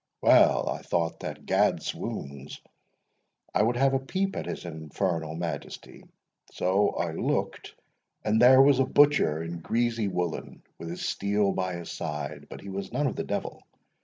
Well, I thought that, gadswoons, I would have a peep at his Infernal Majesty. So I looked, and there was a butcher in greasy woollen, with his steel by his side; but he was none of the Devil.